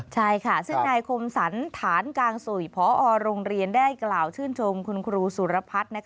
ใช่ค่ะซึ่งนายคมสรรฐานกางสุยพอโรงเรียนได้กล่าวชื่นชมคุณครูสุรพัฒน์